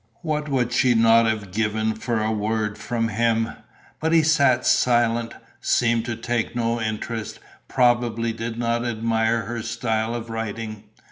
What would she not have given for a word from him! But he sat silent, seemed to take no interest, probably did not admire her style of writing.